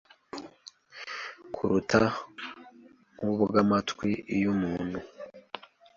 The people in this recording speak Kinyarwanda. kuruta nk’ubw’amatwi y’umuntu.